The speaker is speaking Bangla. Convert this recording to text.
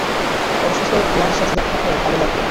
অবশেষে তোমাদের সাথে দেখা হয়ে ভালো লাগলো।